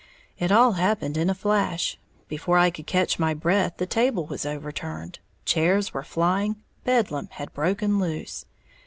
It all happened in a flash, before I could catch my breath the table was overturned, chairs were flying, bedlam had broken loose.